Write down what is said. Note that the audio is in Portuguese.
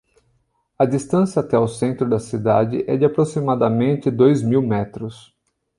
A distância até o centro da cidade é de aproximadamente dois mil metros.